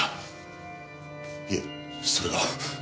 いえそれが。